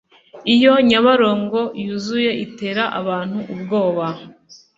Iyo nyabarongo yuzuye itera abantu ubwoba